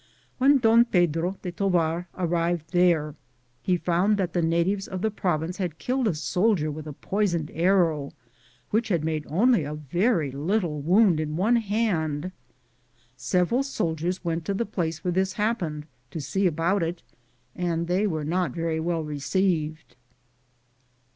When Don Pedro de Tovar arrived there, he found that the natives of that province had killed a sol dier with a poisoned arrow, which had made only a very little wound in one hand. Sev eral soldiers went to the place where this happened to see about it, and they were not very well received.